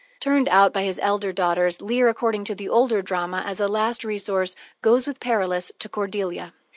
Turned out by his elder daughters, Leir, according to the older drama, as a last resource, goes with Perillus to Cordelia.